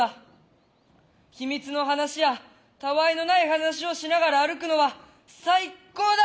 秘密の話やたわいのない話をしながら歩くのは最高だ。